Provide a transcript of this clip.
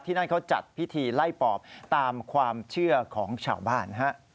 นั่นเขาจัดพิธีไล่ปอบตามความเชื่อของชาวบ้าน